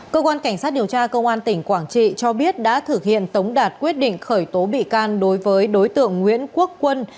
cơ quan cảnh sát điều tra công an tỉnh quảng trị cho biết đã thực hiện tống đạt quyết định khởi tố bị can đối với đối tượng nguyễn quốc quân